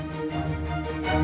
silakan pak komar